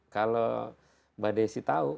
kalau mbak desy tau